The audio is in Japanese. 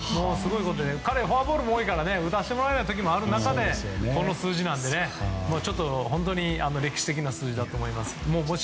彼、フォアボールも多いから打たせてもらえない時もある中でこの数字なので本当に歴史的な数字だと思います。